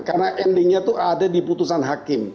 karena endingnya itu ada di putusan hakim